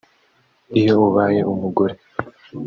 Iyo abaye umugore